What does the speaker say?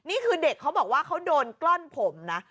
นี่คือเด็กเขาบอกว่าเขาโดนกล้อนผมนะ